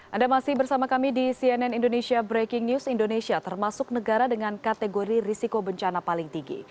anda masih bersama kami di cnn indonesia breaking news indonesia termasuk negara dengan kategori risiko bencana paling tinggi